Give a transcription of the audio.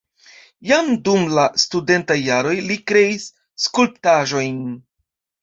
Jam dum la studentaj jaroj li kreis skulptaĵojn.